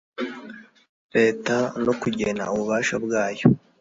Leta no kugena ububasha bwabo